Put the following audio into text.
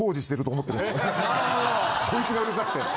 こいつがうるさくて。